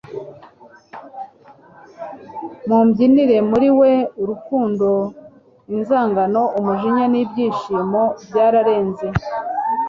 mubyinire muri we. urukundo, inzangano, umujinya n'ibyishimo byararenze